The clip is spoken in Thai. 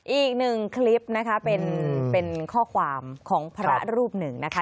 อีกหนึ่งคลิปนะคะเป็นข้อความของพระรูปหนึ่งนะคะ